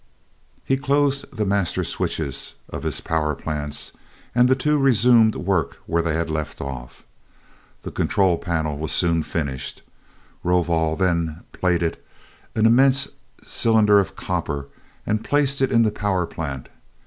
He closed the master switches of his power plants and the two resumed work where they had left off. The control panel was soon finished. Rovol then plated an immense cylinder of copper and placed it in the power plant.